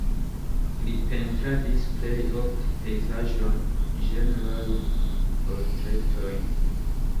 Li pentradis plej ofte pejzaĝojn, ĝenrojn, portretojn.